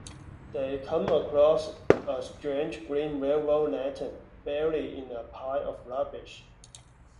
They come across a strange green railroad lantern buried in a pile of rubbish.